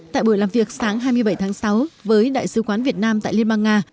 tại buổi làm việc sáng hai mươi bảy tháng sáu với đại sứ quán việt nam tại liên bang nga